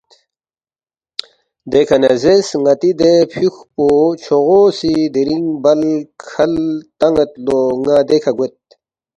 دیکھہ نہ زیرس، ”ن٘تی دے فیُوکپو چھوغو سی دِرِنگ بَل کھل تان٘ید لو ن٘ا دیکھہ گوید